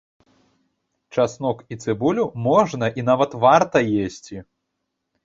Часнок і цыбулю можна і нават варта есці.